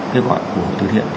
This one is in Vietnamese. kế hoạch của hồ tư thiện